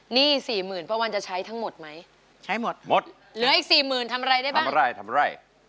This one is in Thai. นี่๔๐๐๐๐ปะวันจะใช้ทั้งหมดมั้ยใช้หมดหมดเหลืออีก๔๐๐๐๐ทำอะไรได้บ้างทำอะไรทำอะไร